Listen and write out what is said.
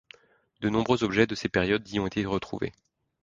De nombreux objets de ces périodes y ont été retrouvés.